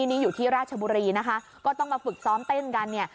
นี่อยู่ที่ราชบุรีนะคะก็ต้องมาฝึกซ้อมเต้นกันเนี่ย